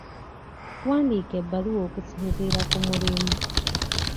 Wandiika ebbaluwa okusinziira ku mulimu.